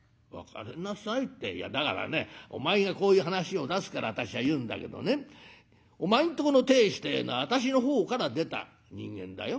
「いやだからねお前がこういう話を出すから私は言うんだけどねお前んとこの亭主ってえのは私の方から出た人間だよ。